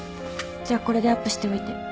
じゃあこれでアップしておいて。